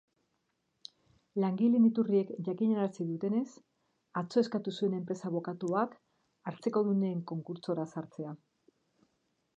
Langileen iturriek jakinarazi dutenez, atzo eskatu zuen enpresa abokatuak hartzekodunen konkurtsora sartzea.